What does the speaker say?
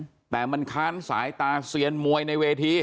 แต่มันค้านสายตาเซียนมวยในเวที